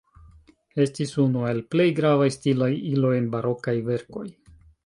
Estis unu el plej gravaj stilaj iloj en barokaj verkoj.